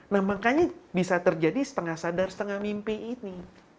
nah makanya bisa terjadi setengah sadar setengah mimpi ini